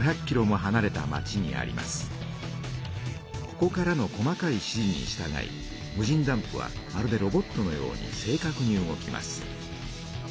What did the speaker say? ここからの細かい指じにしたがい無人ダンプはまるでロボットのように正かくに動きます。